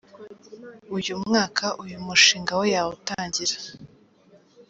uyu mwaka uyu mushinga we yawutangira.